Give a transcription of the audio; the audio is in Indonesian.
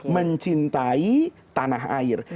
mencintai tanah air